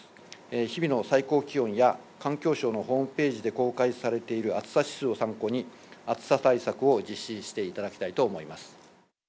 日々の最高気温や、環境省のホームページで公開されている暑さ指数を参考に、暑さ対策を実施していただきたいと思います。